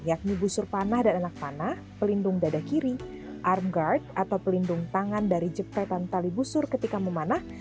yakni busur panah dan anak panah pelindung dada kiri armgard atau pelindung tangan dari jepretan tali busur ketika memanah